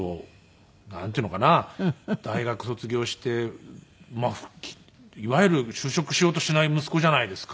大学卒業していわゆる就職しようとしない息子じゃないですか。